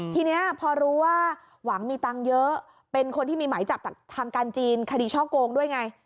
ทีนี้พอรู้ว่าหวังมีตังค์เยอะเป็นคนที่มีหมายจับจากทางการจีนคดีช่อโกงด้วยไง